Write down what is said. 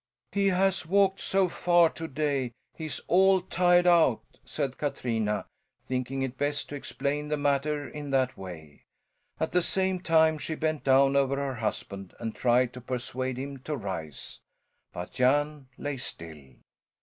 "He has walked so far to day he's all tired out," said Katrina, thinking it best to explain the matter in that way. At the same time she bent down over her husband and tried to persuade him to rise. But Jan lay still.